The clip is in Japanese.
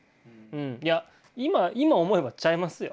いや今思えばちゃいますよ。